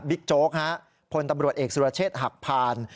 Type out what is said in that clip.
บิ๊กโจ๊กผลตำรวจเอกสุรเชษฐ์หักผ่าน